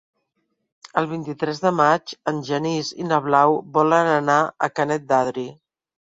El vint-i-tres de maig en Genís i na Blau volen anar a Canet d'Adri.